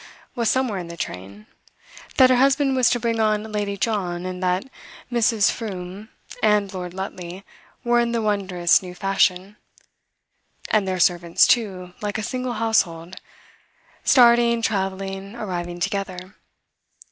was somewhere in the train, that her husband was to bring on Lady John, and that Mrs. Froome and Lord Lutley were in the wondrous new fashion and their servants too, like a single household starting, travelling, arriving together.